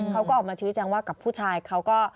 เขาก็ออกมาชี้แจงว่ากับผู้ชายเขาก็